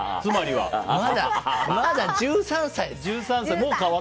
まだ１３歳です。